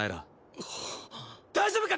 大丈夫か？